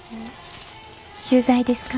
取材ですか？